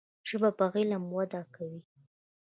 ژبه په علم وده کوي.